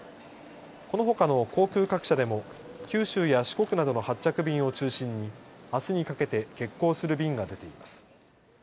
このほかの航空各社でも九州や四国などの発着便を中心にあすにかけて欠航する便が出ています。